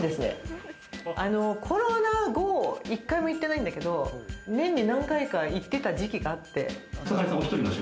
コロナ後、１回も行ってないんだけど、年に何回か行ってた時期があって。